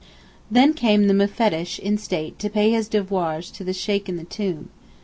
Then came the Mufettish in state to pay his devoirs to the Sheykh in the tomb.